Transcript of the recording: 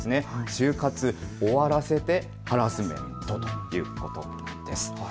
就活終わらせてハラスメントということです。